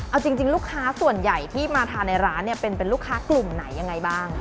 เอาจริงลูกค้าส่วนใหญ่ที่มาทานในร้านเนี่ยเป็นลูกค้ากลุ่มไหนยังไงบ้าง